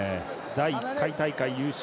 第１回大会優勝